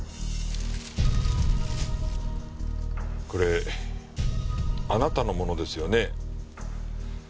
これあなたのものですよね？